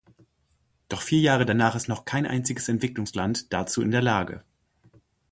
Doch vier Jahre danach ist noch kein einziges Entwicklungsland dazu in der Lage.